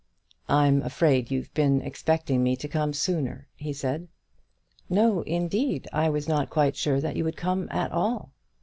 "I'm afraid you've been expecting me to come sooner," he said. "No, indeed; I was not quite sure that you would come at all."